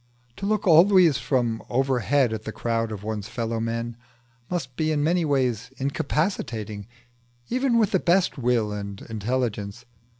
To look always from overhead at the crowd of one's fellow men must be in many ways incapacitating, even with the best will and intelligence.